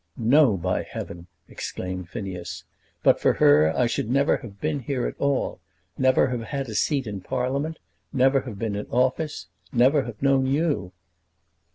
"No, by heaven," exclaimed Phineas. "But for her I should never have been here at all, never have had a seat in Parliament, never have been in office, never have known you."